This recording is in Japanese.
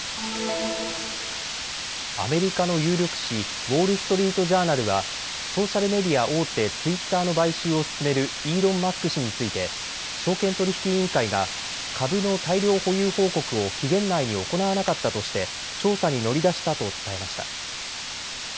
アメリカの有力紙、ウォール・ストリート・ジャーナルはソーシャルメディア大手、ツイッターの買収を進めるイーロン・マスク氏について証券取引委員会が株の大量保有報告を期限内に行わなかったとして調査に乗り出したと伝えました。